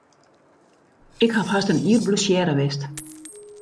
Ik haw hast in jier blessearre west.